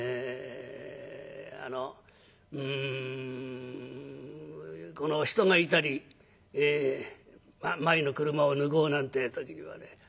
あの人がいたり前の車を抜こうなんて時にはね